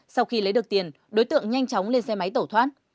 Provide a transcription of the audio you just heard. sau khi lấy được tiền đối tượng nhanh chóng lên xe máy tẩu thoát